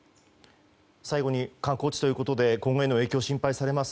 最後に観光地ということで今後の影響が心配されます。